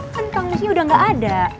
kan kang musnya udah gak ada